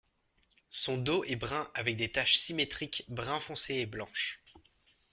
Son dos est brun avec des taches symétriques brun foncé et blanches.